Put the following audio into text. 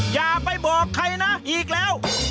อย่าไปบอกใครนะอีกแล้ว